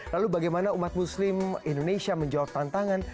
lalu bagaimana umat muslim indonesia menjawab tantangan